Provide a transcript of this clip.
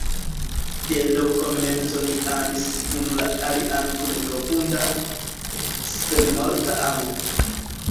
De l’komenco ni amis unu la alian kun profunda, senmorta amo.